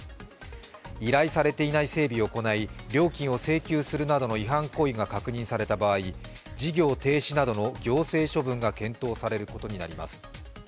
依頼されていない整備を行い料金を請求するなどの違反行為が確認された場合、事業停止などの行政処分が検討されることになります。